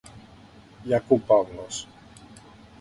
Hi ha culpables.